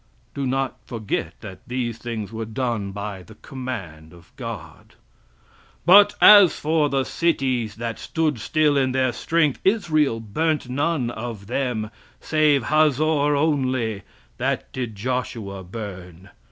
(Do not forget that these things were done by the command of God!) "But as for the cities that stood still in their strength, Israel burnt none of them, save Hazor only, that did Joshua burn.